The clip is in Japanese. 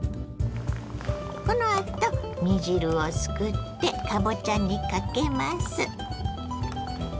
このあと煮汁をすくってかぼちゃにかけます。